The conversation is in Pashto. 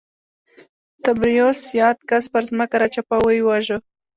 تبریوس یاد کس پر ځمکه راچپه او ویې واژه